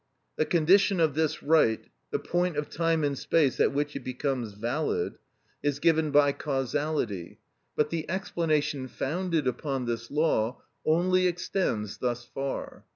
The condition of this right, the point of time and space at which it becomes valid, is given by causality, but the explanation founded upon this law only extends thus far.